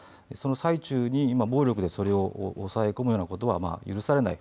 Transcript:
その最中に今暴力でそれを抑え込むようなことは許されない。